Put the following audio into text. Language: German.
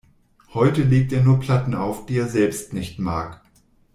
Heute legt er nur Platten auf, die er selbst nicht mag.